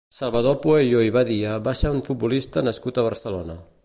Salvador Pueyo i Badia va ser un futbolista nascut a Barcelona.